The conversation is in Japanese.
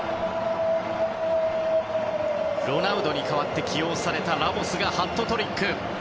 ロナウドに変わって起用されたラモスがハットトリック。